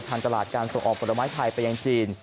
ตลาดการส่งออกผลไม้ไทยไปยังจีน